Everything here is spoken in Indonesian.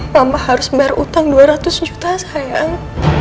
mama harus bayar utang dua ratus juta sayang